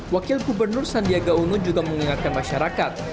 wakil gubernur sandiaga uno juga mengingatkan masyarakat